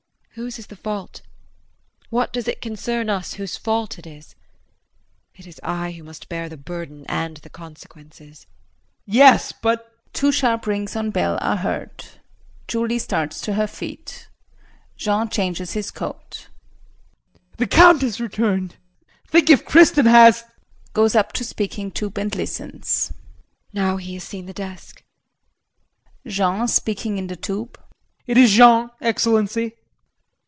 Whose is the fault? What does it concern us whose fault it is? It is I who must bear the burden and the consequences. JEAN. Yes, but [Two sharp rings on bell are heard. Julie starts to her feet. Jean changes his coat.] JEAN. The Count has returned. Think if Kristin has [Goes up to speaking tube and listens.] JULIE. Now he has seen the desk! JEAN [Speaking in the tube]. It is Jean, Excellency.